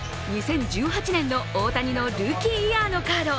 ２０１８年の大谷のルーキーイヤーのカード。